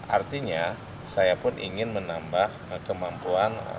artinya saya pun ingin menambah kemampuan